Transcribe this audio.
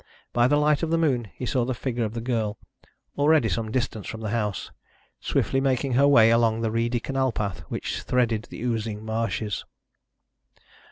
By the light of the moon he saw the figure of the girl, already some distance from the house, swiftly making her way along the reedy canal path which threaded the oozing marshes.